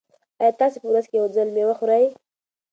ایا تاسي په ورځ کې یو ځل مېوه خورئ؟